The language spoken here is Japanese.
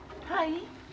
はい。